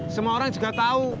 semua orang juga tau